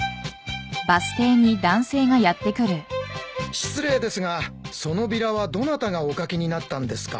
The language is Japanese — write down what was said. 失礼ですがそのビラはどなたがお書きになったんですか？